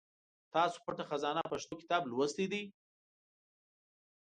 تاسو پټه خزانه پښتو کتاب لوستی دی ؟